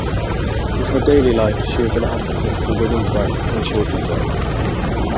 In her daily life she is an advocate for women's rights and children's rights.